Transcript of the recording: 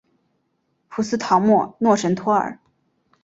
普斯陶莫诺什托尔。